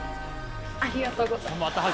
ありがとうございます。